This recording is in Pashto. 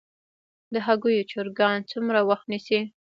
د هګیو چرګان څومره وخت نیسي؟